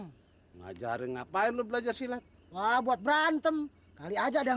gede gede gitu aja dong bang ngajarin ngapain lu belajar silat wah buat berantem kali aja dan